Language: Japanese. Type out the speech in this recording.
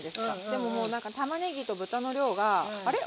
でももうなんかたまねぎと豚の量が「あれ？